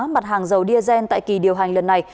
mặt hàng dầu diesel tại kỳ điều hành lần này